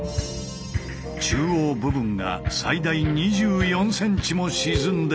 中央部分が最大２４ｃｍも沈んでいる。